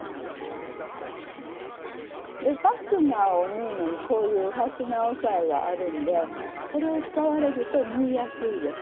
ファスナーを縫うのにこういうファスナー押さえがあるんでこれを使われると縫いやすいです。